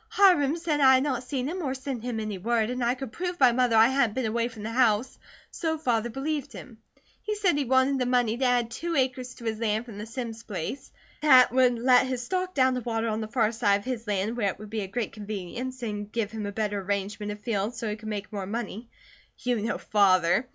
Hiram said I had not seen him or sent him any word, and I could prove by mother I hadn't been away from the house, so Father believed him. He said he wanted the money to add two acres to his land from the Simms place; that would let his stock down to water on the far side of his land where it would be a great convenience and give him a better arrangement of fields so he could make more money. You know Father.